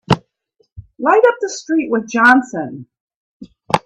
Light up with the street with Johnson!